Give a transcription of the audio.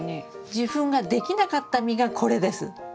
受粉ができなかった実がこれです。